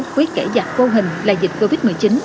khuyết kẻ giặc vô hình là dịch covid một mươi chín